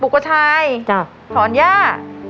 ปลูกกระชายสอนย่า